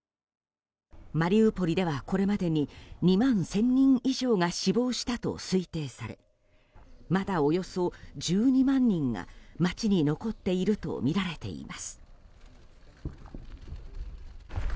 マリウポリでは、これまでに２万１０００人以上が死亡したと推定されまだおよそ１２万人が街に残っているとみられています。